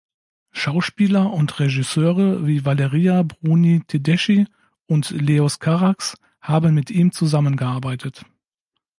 Schauspieler und Regisseure wie Valeria Bruni-Tedeschi und Leos Carax haben mit ihm zusammengearbeitet.